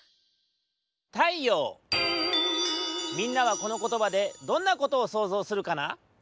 みんなはこのことばでどんなことをそうぞうするかな？